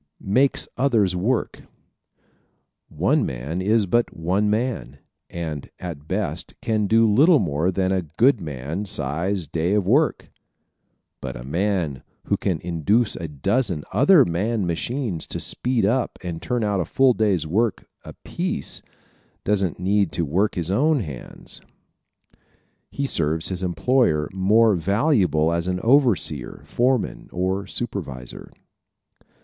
Makes Others Work ¶ One man is but one man and at best can do little more than a good man size day of work. But a man who can induce a dozen other man machines to speed up and turn out a full day's work apiece doesn't need to work his own hands. He serves his employer more valuably as an overseer, foreman or supervisor.